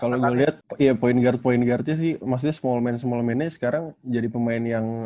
kalo gue liat ya point guard point guardnya sih maksudnya small man small man nya sekarang jadi pemain yang